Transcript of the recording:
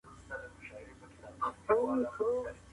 عمومي غونډه څنګه پیلیږي؟